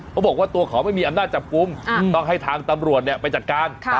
เขาบอกว่าตัวเขาไม่มีอำนาจจับกลุ่มต้องให้ทางตำรวจไปจัดการ